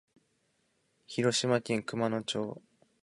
広島県熊野町